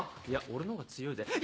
「いや俺のほうが強いぜ」。